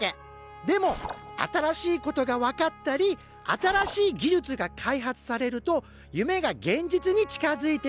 でも新しいことが分かったり新しい技術が開発されると夢が現実に近づいてくる。